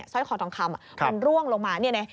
ซ่อยขอทองคำคำมันร่วงลงมาเนี่ยนี้